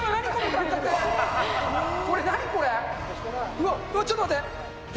うわ、ちょっと待って、え？